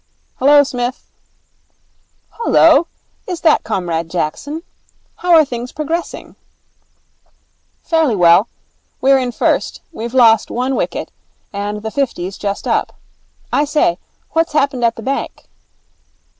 'Hullo, Smith.' 'Hullo. Is that Comrade Jackson? How are things progressing?' 'Fairly well. We're in first. We've lost one wicket, and the fifty's just up. I say, what's happened at the bank?'